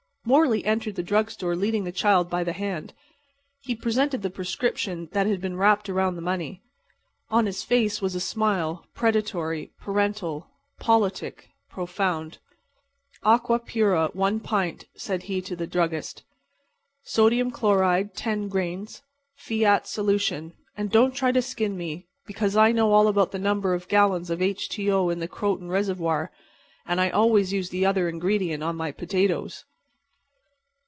Morley entered the drug store leading the child by the hand. He presented the prescription that had been wrapped around the money. On his face was a smile, predatory, parental, politic, profound. "Aqua pura, one pint," said he to the druggist. "Sodium chloride, ten grains. Fiat solution. And don't try to skin me, because I know all about the number of gallons of H2O in the Croton reservoir, and I always use the other ingredient on my potatoes."